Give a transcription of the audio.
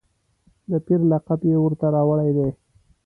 د پیر لقب یې ورته راوړی دی.